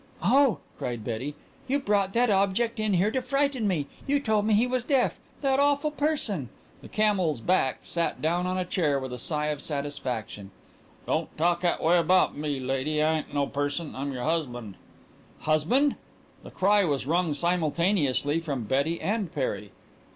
"Oh," cried Betty, "you brought that object in here to frighten me! You told me he was deaf that awful person!" The camel's back sat down on a chair with a sigh of satisfaction. "Don't talk 'at way about me, lady. I ain't no person. I'm your husband." "Husband!" The cry was wrung simultaneously from Betty and Perry.